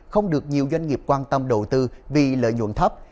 không được nhiều doanh nghiệp quan tâm đầu tư vì lợi nhuận thấp